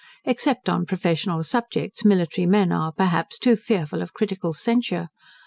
Except on professional subjects, military men are, perhaps, too fearful of critical censure.